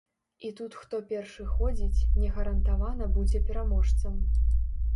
І тут хто першы ходзіць, не гарантавана будзе пераможцам.